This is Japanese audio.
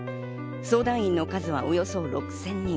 相談員の数はおよそ６０００人。